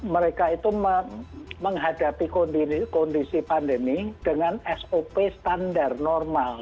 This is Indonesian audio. mereka itu menghadapi kondisi pandemi dengan sop standar normal